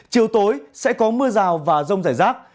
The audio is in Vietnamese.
chiều tối sẽ có mưa rào và rông rải rác